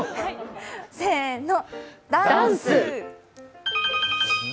せーの、ダンス。